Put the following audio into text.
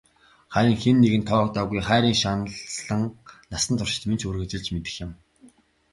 Харин хэн нэгэнд тоогдоогүй хайрын шаналан насан туршид минь ч үргэлжилж мэдэх юм.